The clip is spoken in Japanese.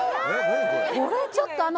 これちょっとあの。